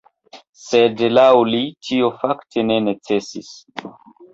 Sed laŭ li tio fakte ne necesis.